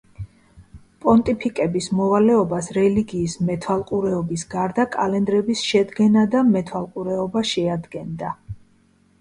პონტიფიკების მოვალეობას რელიგიის მეთვალყურეობის გარდა კალენდრების შედგენა და მეთვალყურეობა შეადგენდა.